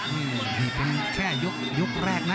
นี่ต้องแช่ยกแรกนะ